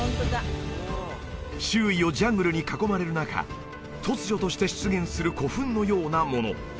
周囲をジャングルに囲まれる中突如として出現する古墳のようなもの